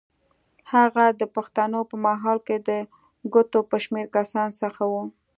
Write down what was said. هغه د پښتنو په ماحول کې د ګوتو په شمېر کسانو څخه و.